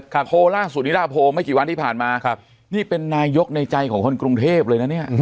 โคล่าสุดนิราโพไม่กี่วันที่ผ่านมาครับนี่เป็นนายกในใจของคนกรุงเทพเลยนะเนี่ย